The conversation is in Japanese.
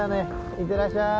いってらっしゃい。